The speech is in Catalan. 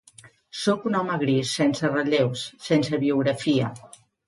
Sóc un home gris, sense relleus, sense biografia.